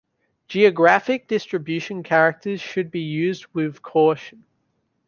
Geographic distribution characters should be used with caution.